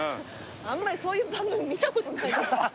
あんまりそういう番組見たことない。